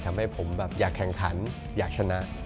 ทำให้ผมแบบอยากแข่งขันอยากชนะ